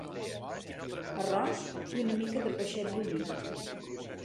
Arròs i una mica de peixet bullit